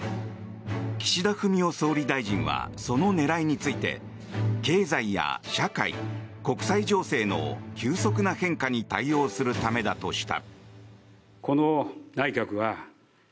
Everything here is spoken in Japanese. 岸田文雄総理大臣はその狙いについて経済や社会、国際情勢の急速な変化に対応するためだとした。